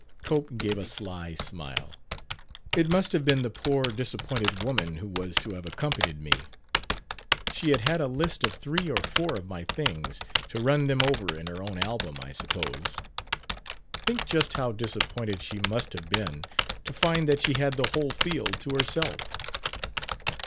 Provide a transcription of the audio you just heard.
Cope gave a sly smile. "It must have been the poor disappointed woman who was to have accompanied me. She had had a list of three or four of my things to run them over in her own album, I suppose. Think just how disappointed she must have been to find that she had the whole field to herself!"